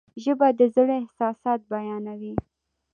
ژبه د زړه احساسات بیانوي.